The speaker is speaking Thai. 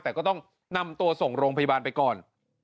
แต่ก็ต้องนำตัวส่งโรงพยาบาลไปก่อน